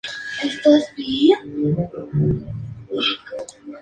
La expedición de los diez mil", de Jenofonte.